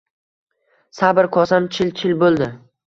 Sabr kosam chil-chil bo`ldi